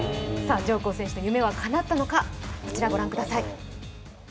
上甲選手の夢はかなったのか、こちらをご覧ください。